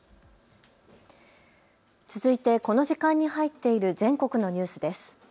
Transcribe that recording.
続いてこの時間に入っている全国のニュースです。